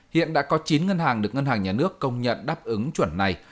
hiện đã có chín ngân hàng được ngân hàng nhà nước công nhận đáp ứng chuẩn này